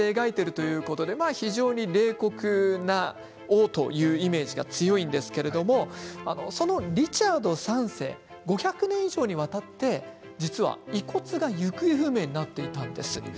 シェークスピアの舞台では残忍でこうかつな感じに描いているんですが非常に冷酷な王というイメージが強いんですけれどもそのリチャード３世５００年以上にわたって実は遺骨が行方不明になっていたんです。